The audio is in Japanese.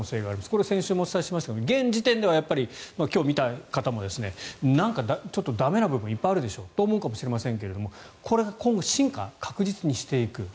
これ、先週もお伝えしましたが現時点では今日見た方もなんかちょっと駄目な部分いっぱいあると思うかもしれませんがこれが今後進化を確実にしていく。